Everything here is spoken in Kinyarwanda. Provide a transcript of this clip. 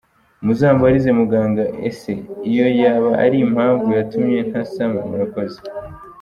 Muzambarize muganga ese, iyo yaba ari impamvu yatumye ntasama? Murakoze.